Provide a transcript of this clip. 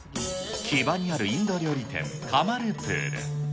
木場にあるインド料理店、カマルプール。